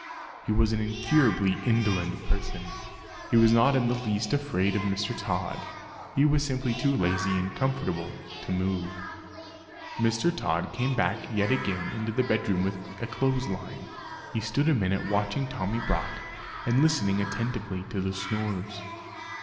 He was an incurably indolent person; he was not in the least afraid of Mr. Tod; he was simply too lazy and comfortable to move. Mr. Tod came back yet again into the bedroom with a clothes line. He stood a minute watching Tommy Brock and listening attentively to the snores.